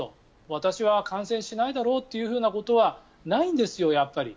私は感染しないだろうっていうことはないんですよ、やっぱり。